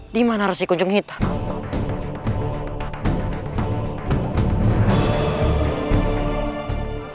dimana resi kunjung hidup